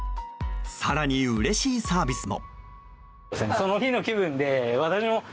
更にうれしいサービスも。